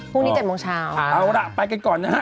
พรุ่งนี้เจ็บโมงเช้านะฮะอ๋อเอาละไปกันก่อนนะฮะ